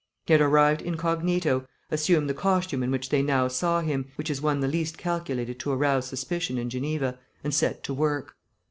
He had arrived incognito, assumed the costume in which they now saw him, which is one the least calculated to arouse suspicion in Geneva, and set to work.